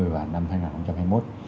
và năm hai nghìn hai mươi một